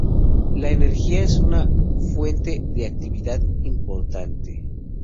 La energía es una fuente de actividad importante.